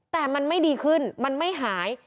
แต่มันไม่ดีขึ้นมันไม่หาย